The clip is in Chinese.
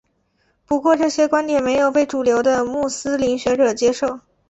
不过这些观点没有被主流的穆斯林学者接受。